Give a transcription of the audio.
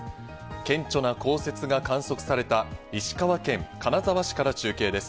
顕著な降雪が観測された石川県金沢市から中継です。